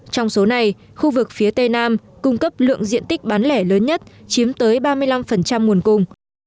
trong số này khu vực phía tây nam cung cấp lượng diện tích bán lẻ lớn nhất chiếm tới ba mươi năm nguồn cung